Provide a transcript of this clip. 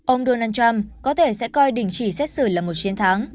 ông donald trump có thể sẽ coi đình chỉ xét xử là một chiến thắng